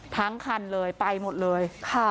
ทั้งคันเลยไปหมดเลย